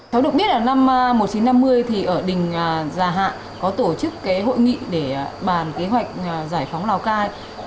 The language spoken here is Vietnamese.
tôi được biết là năm một nghìn chín trăm năm mươi thì ở đình gia hạ có tổ chức hội nghị để bàn kế hoạch giải phóng lào cát